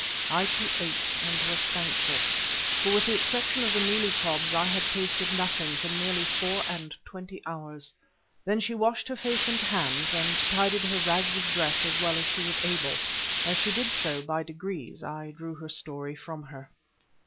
I too ate and was thankful, for with the exception of the mealie cobs I had tasted nothing for nearly four and twenty hours. Then she washed her face and hands, and tidied her rags of dress as well as she was able. As she did so by degrees I drew her story from her.